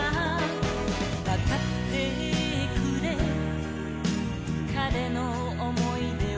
「語ってくれ彼の思い出を」